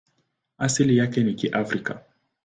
Asili yake ni Afrika.